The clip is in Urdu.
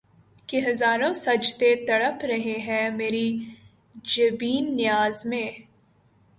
کہ ہزاروں سجدے تڑپ رہے ہیں مری جبین نیاز میں